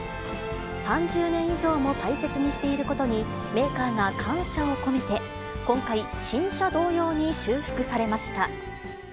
３０年以上も大切にしていることに、メーカーが感謝を込めて、今回、新車同様に修復されました。